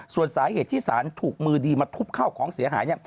ส่วนสาเหตุที่สารถูกมือดีมาทุบเข้าของเสียหาย